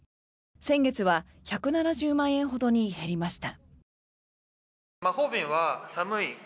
先月は１７０万円ほどに減りました。